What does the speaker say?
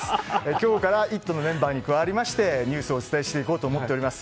今日から「イット！」のメンバーに加わりましてニュースをお伝えしようと思っています。